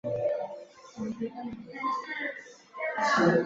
梅西耶天体中列出的一组天体。